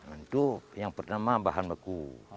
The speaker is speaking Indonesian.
untuk yang pertama bahan baku